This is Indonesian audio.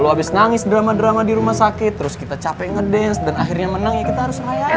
kalau habis nangis drama drama di rumah sakit terus kita capek ngedance dan akhirnya menang ya kita harus layarin